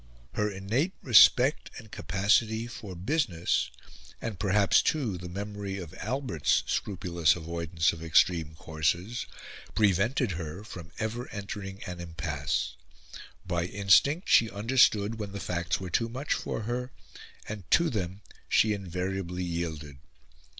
Her innate respect and capacity for business, and perhaps, too, the memory of Albert's scrupulous avoidance of extreme courses, prevented her from ever entering an impasse. By instinct she understood when the facts were too much for her, and to them she invariably yielded.